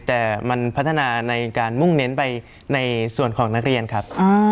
แต่มันพัฒนาในการมุ่งเน้นไปในส่วนของนักเรียนครับ